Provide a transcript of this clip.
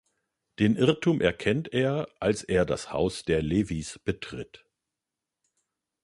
Den Irrtum erkennt er, als er das Haus der Levys betritt.